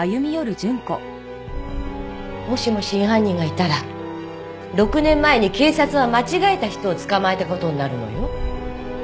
もしも真犯人がいたら６年前に警察は間違えた人を捕まえた事になるのよ。